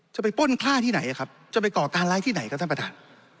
ไปป้นฆ่าที่ไหนครับจะไปก่อการร้ายที่ไหนครับท่านประธาน